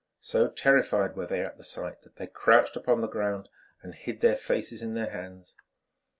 So terrified were they at the sight, that they crouched upon the ground and hid their faces in their hands.